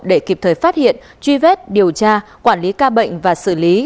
để kịp thời phát hiện truy vết điều tra quản lý ca bệnh và xử lý